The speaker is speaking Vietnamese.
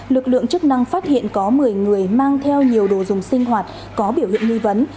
lực lượng chức năng phát hiện có một mươi người mang theo nhiều đồ dùng sinh hoạt có biểu hiện nghi vấn